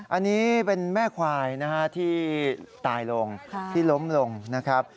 อันนี้เป็นแม่ควายนะฮะที่ตายลงที่ล้มลงนะครับ